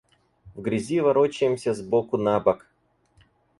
В грязи ворочаемся с боку на бок.